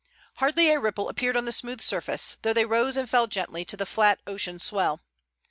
Hardly a ripple appeared on the smooth surface, though they rose and fell gently to the flat ocean swell.